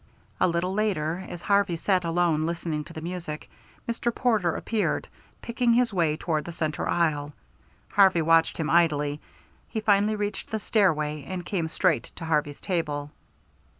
A little later, as Harvey sat alone listening to the music, Mr. Porter appeared, picking his way toward the centre aisle. Harvey watched him idly. He finally reached the stairway, and came straight to Harvey's table.